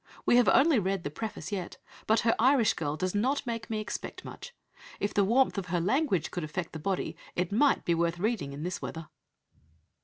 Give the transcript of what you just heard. We have only read the preface yet, but her Irish girl does not make me expect much. If the warmth of her language could affect the body it might be worth reading in this weather."